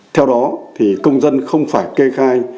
theo đó thì công dân không phải kê khai